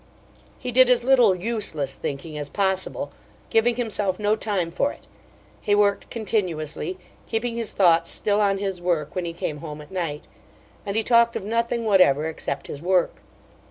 He did as little "useless" thinking as possible, giving himself no time for it. He worked continuously, keeping his thoughts still on his work when he came home at night; and he talked of nothing whatever except his work.